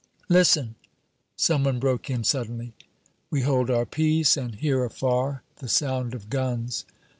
"Listen!" some one broke in suddenly. We hold our peace, and hear afar the sound of guns.